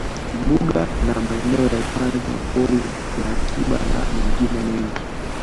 Mbuga na maeneo ya hifadhi mapori ya akiba na mengine mengi